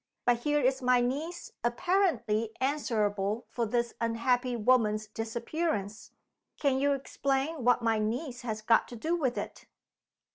But here is my niece apparently answerable for this unhappy woman's disappearance. Can you explain what my niece has got to do with it?"